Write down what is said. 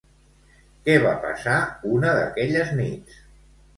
Què va passar una d'aquelles nits?